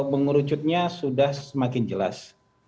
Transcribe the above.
mengurucutnya sudah semakin jelas